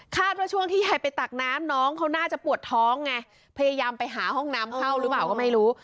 ว่าช่วงที่ยายไปตักน้ำน้องเขาน่าจะปวดท้องไงพยายามไปหาห้องน้ำเข้าหรือเปล่าก็ไม่รู้